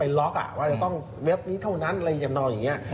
ที่จะต้องเว็บเท่านั้นหรืออะไรนั่งเดีี่ยว